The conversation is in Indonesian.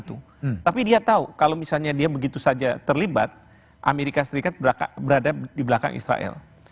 tapi dia tahu kalau misalnya dia begitu saja terlibat amerika serikat berada di belakang israel